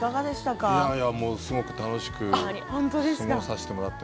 すごく楽しく過ごさせてもらって。